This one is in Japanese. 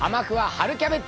春キャベツ」